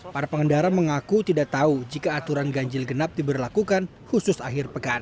para pengendara mengaku tidak tahu jika aturan ganjil genap diberlakukan khusus akhir pekan